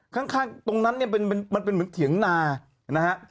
ข้างตรงนั้นเนี่ยมันเป็นเหมือนเถียงนานะฮะ